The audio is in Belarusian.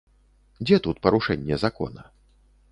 Дзе тут парушэнне закона?